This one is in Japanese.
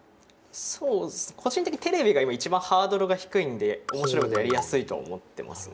個人的にテレビが今一番ハードルが低いんで面白いことやりやすいと思ってますね。